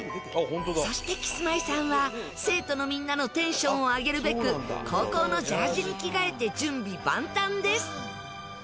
そしてキスマイさんは生徒のみんなのテンションを上げるべく高校のジャージに着替えて準備万端です！